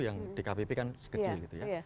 yang di kpp kan sekecil gitu ya